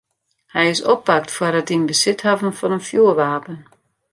Hy is oppakt foar it yn besit hawwen fan in fjoerwapen.